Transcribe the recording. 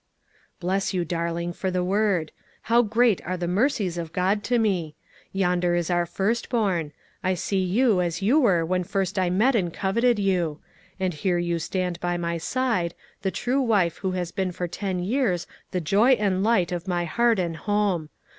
"Bless you, darling, for the word! How great are the mercies of God to me! Yonder is our first born. I see you as you were when first I met and coveted you; and here you stand by my side, the true wife who has been for ten years the joy and light of my heart and home.